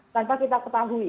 tanpa kita ketahui